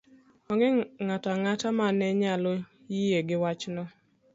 Onge ng'ato ang'ata ma ne nyalo yie gi wachno